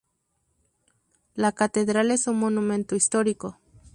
La catedral es un monumento histórico.